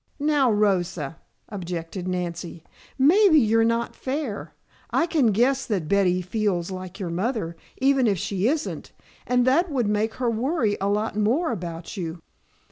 "Now, Rosa," objected Nancy, "maybe you're not fair. I can guess that Betty feels like your mother, even if she isn't, and that would make her worry a lot more about you.